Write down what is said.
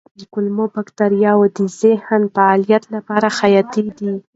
کولمو بکتریاوې د ذهني فعالیت لپاره حیاتي دي.